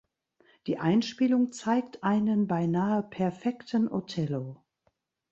Die Einspielung zeigt einen beinahe perfekten Otello.